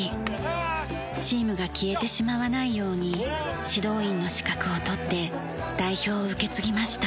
チームが消えてしまわないように指導員の資格を取って代表を受け継ぎました。